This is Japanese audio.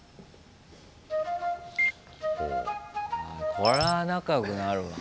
これは仲良くなるわな。